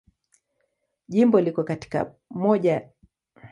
Jimbo lipo katika moja ya sehemu za kaskazini mwa Magharibi mwa Norwei.